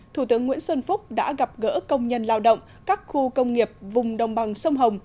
thủ tướng nguyễn xuân phúc đã gặp gỡ công nhân lao động các khu công nghiệp vùng đồng bằng sông hồng